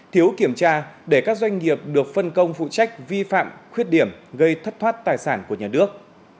thiếu kiểm tra để các doanh nghiệp được phân công vụ trách vi phạm khuyết điểm gây thất thoát tài sản của nhà nước